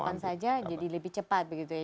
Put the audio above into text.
bisa online kapan saja jadi lebih cepat begitu ya